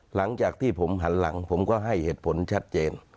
หลังจากที่ผมหันหลังผมก็ให้เหตุผลชัดเจน